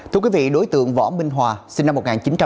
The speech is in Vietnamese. thưa quý vị đối tượng võ minh hòa sinh năm một nghìn chín trăm tám mươi